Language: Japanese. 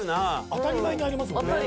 当たり前にありますもんね。